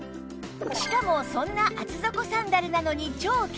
しかもそんな厚底サンダルなのに超軽量！